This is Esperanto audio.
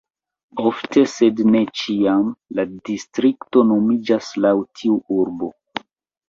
Ofte, sed ne ĉiam, la distrikto nomiĝas laŭ tiu urbo.